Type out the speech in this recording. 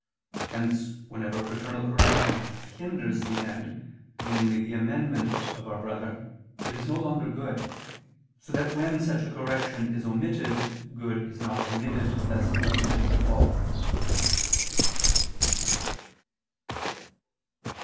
Hence whenever fraternal correction hinders the end, namely the amendment of our brother, it is no longer good, so that when such a correction is omitted, good is not omitted lest evil should befall.